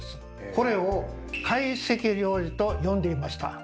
これを「懐石料理」と呼んでいました。